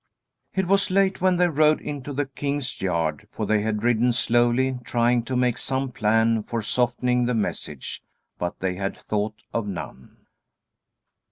It was late when they rode into the king's yard; for they had ridden slowly, trying to make some plan for softening the message, but they had thought of none.